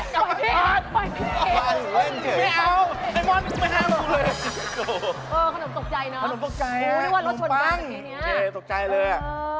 ขนมตกใจเนอะขนมปังโอเคตกใจเลย